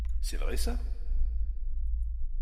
C’est vrai ça?